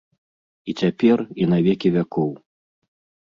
І цяпер, і на векі вякоў!